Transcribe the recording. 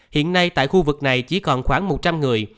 hiện nay tại khu vực này chỉ còn khoảng một trăm linh người